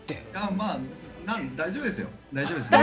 まあ、大丈夫ですよ。